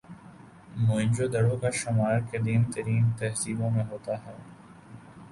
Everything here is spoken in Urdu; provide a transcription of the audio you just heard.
موئن جو دڑو کا شمار قدیم ترین تہذیبوں میں ہوتا ہے